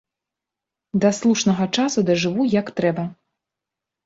Да слушнага часу дажыву як трэба!